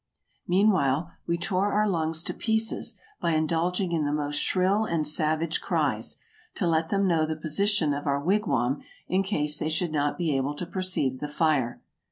Meanwhile, we tore our lungs to pieces by indulging in the most shrill and savage cries, to let them know the posi tion of our wigwam in case they should not be able to per ceive the fire.